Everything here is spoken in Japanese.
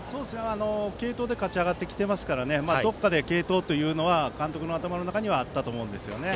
継投で勝ち上がってきていますからどこかで継投というのは監督の頭の中にはあったと思うんですよね。